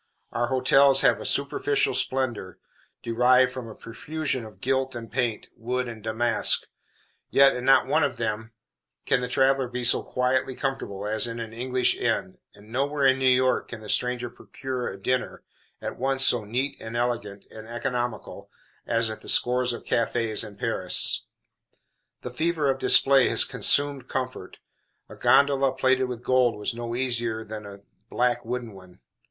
Our hotels have a superficial splendor, derived from a profusion of gilt and paint, wood and damask. Yet, in not one of them can the traveler be so quietly comfortable as in an English inn, and nowhere in New York can the stranger procure a dinner, at once so neat and elegant, and economical, as at scores of cafés in Paris. The fever of display has consumed comfort. A gondola plated with gold was no easier than a black wooden one.